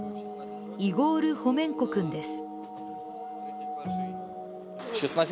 イゴール・ホメンコ君です。